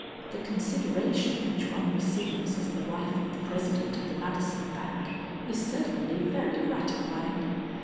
The consideration which one receives as the wife of the president of the Madison bank is certainly very gratifying.